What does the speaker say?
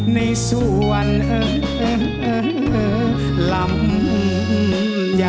ในส่วนลำใหญ่